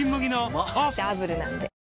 うまダブルなんで